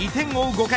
５回